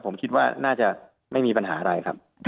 ผมคิดว่าน่าจะไม่มีปัญหาอะไรครับ